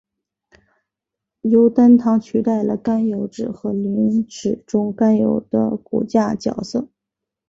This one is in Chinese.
由单糖取代了甘油酯和磷脂中甘油的骨架角色。